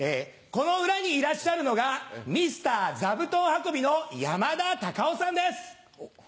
この裏にいらっしゃるのが「ミスター座布団運び」の山田隆夫さんです！